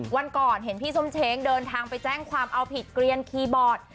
วันก่อนเห็นพี่ส้มเช้งเดินทางไปแจ้งความเอาผิดเกลียนคีย์บอร์ด